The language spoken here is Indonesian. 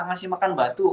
ngasih makan batu